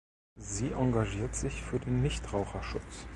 Sie engagiert sich für den Nichtraucherschutz.